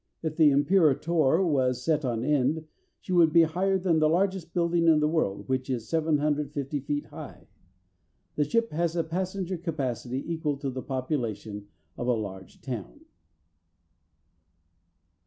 If the "Imperator" was set on end, she would be higher than the largest building in the world, which is 750 feet high. The ship has a passenger capacity equal to the population of a large town.